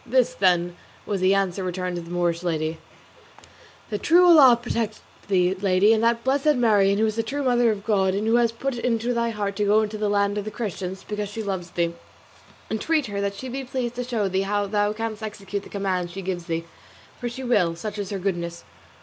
This, then, was the answer returned to the Moorish lady: "The true Allah protect thee, Lady, and that blessed Marien who is the true mother of God, and who has put it into thy heart to go to the land of the Christians, because she loves thee. Entreat her that she be pleased to show thee how thou canst execute the command she gives thee, for she will, such is her goodness.